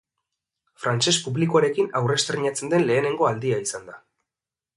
Frantses publikoarekin aurrestreinatzen den lehenengo aldia izan da.